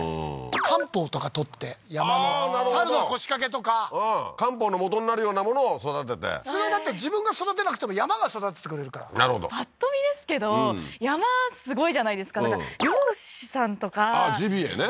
漢方とか採って山のサルノコシカケとかうん漢方のもとになるようなものを育ててそれはだって自分が育てなくても山が育ててくれるからなるほどパッと見ですけど山すごいじゃないですかだから猟師さんとかあっジビエね